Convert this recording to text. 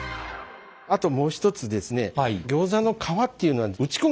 あともう一つですね